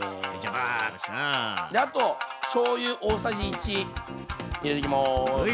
あとしょうゆ大さじ１入れていきます。